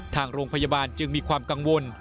ทางโรงพยาบาลจึงมีความกังวล